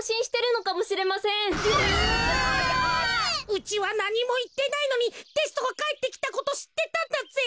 うちはなにもいってないのにテストがかえってきたことしってたんだぜ！